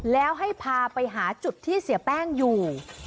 แล้วให้พาไปหาจุดที่เสียแป้งอยู่